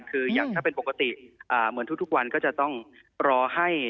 คืออย่างถ้าเป็นปกติเหมือนทุกวันก็จะต้องรอให้